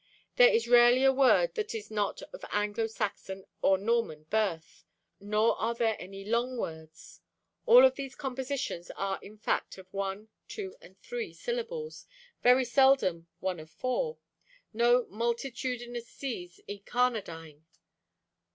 There is rarely a word that is not of Anglo Saxon or Norman birth. Nor are there any long words. All of these compositions are in words of one, two and three syllables, very seldom one of four—no "multitudinous seas incarnadine."